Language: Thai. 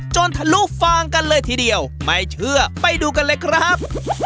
ทะลุฟางกันเลยทีเดียวไม่เชื่อไปดูกันเลยครับ